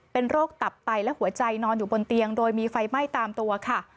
เป็นโรคตับไตและหัวใจนอนอยู่บนเตียงโดยมีไฟไหม้ตามตัวค่ะ